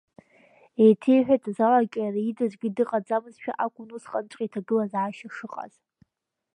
Еиҭеиҳәеит, азал аҿы иара ида аӡәгьы дыҟаӡамызшәа акәын усҟанҵәҟьа иҭагылазаашьа шыҟаз…